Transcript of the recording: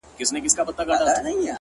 ولاړم دا ځل تر اختتامه پوري پاته نه سوم”